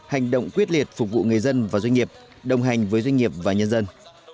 hành động quyết liệt phục vụ người dân và doanh nghiệp đồng hành với doanh nghiệp và nhân dân